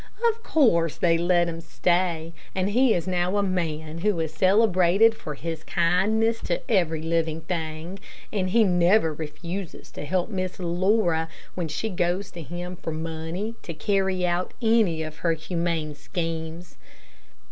Of course they let him stay, and he is now a man who is celebrated for his kindness to every living thing; and he never refuses to help Miss Laura when she goes to him for money to carry out any of her humane schemes.